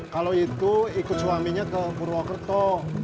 kalau itu ikut suaminya ke purwokerto